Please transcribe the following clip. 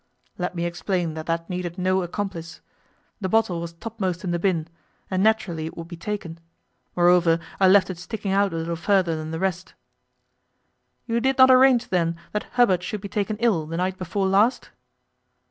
Let me explain that that needed no accomplice. The bottle was topmost in the bin, and naturally it would be taken. Moreover, I left it sticking out a little further than the rest.' 'You did not arrange, then, that Hubbard should be taken ill the night before last?